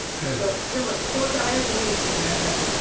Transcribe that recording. でも高座はよく見に来てくださってたんですって？